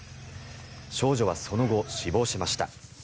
少女はその後死亡しました。